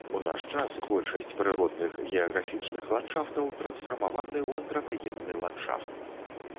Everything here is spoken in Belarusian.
У наш час большасць прыродных геаграфічных ландшафтаў трансфармаваны ў антрапагенны ландшафт.